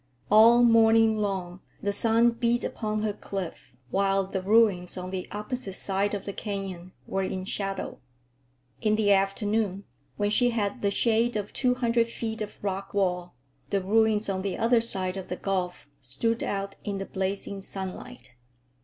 All morning long the sun beat upon her cliff, while the ruins on the opposite side of the canyon were in shadow. In the afternoon, when she had the shade of two hundred feet of rock wall, the ruins on the other side of the gulf stood out in the blazing sunlight.